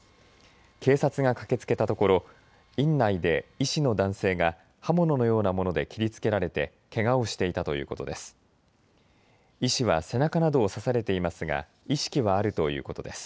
警察が駆けつけたところ院内で医師の男性が刃物のようなもので切りつけられてけがをしていたということです。